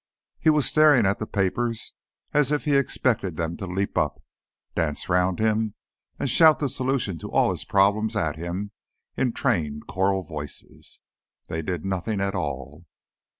He was staring at the papers as if he expected them to leap up, dance round him and shout the solution to all his problems at him in trained choral voices. They did nothing at all.